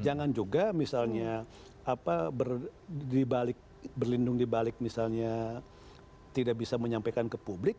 jangan juga misalnya berlindung dibalik misalnya tidak bisa menyampaikan ke publik